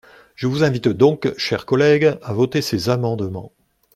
Je vous invite donc, chers collègues, à voter ces amendements.